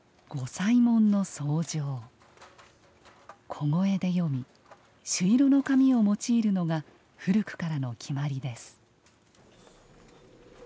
小声で読み、朱色の紙を用いるのが古くからの決まりです。